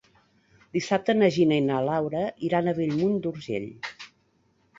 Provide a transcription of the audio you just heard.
Dissabte na Gina i na Laura iran a Bellmunt d'Urgell.